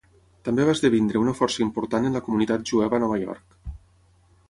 També va esdevenir una força important en la comunitat jueva a Nova York.